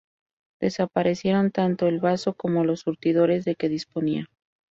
Desaparecieron tanto el vaso como los surtidores de que disponía.